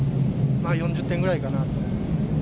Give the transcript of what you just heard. まあ４０点ぐらいかな。